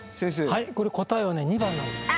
はいこれ答えは２番なんです。